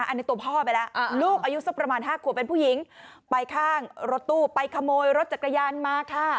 อันนี้ตัวพ่อไปแล้วลูกอายุสักประมาณ๕ขวบเป็นผู้หญิงไปข้างรถตู้ไปขโมยรถจักรยานมาค่ะ